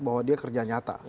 bahwa dia kerja nyata